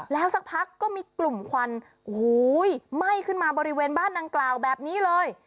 แล้วสักพักก็มีกลุ่มควันโอ้โหไหม้ขึ้นมาบริเวณบ้านดังกล่าวแบบนี้เลย